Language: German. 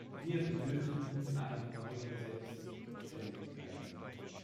Wir benötigen eine neue Selbständigkeit.